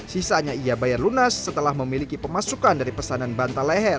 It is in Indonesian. sisanya ia bayar lunas setelah memiliki pemasukan dari pesanan bantal leher